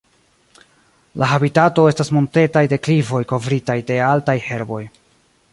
La habitato estas montetaj deklivoj kovritaj de altaj herboj.